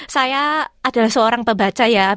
saya adalah seorang pembaca ya